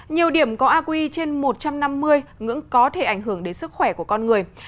nhiều điểm có aqi trên một trăm năm mươi ngưỡng có thể ảnh hưởng đến sức khỏe của con người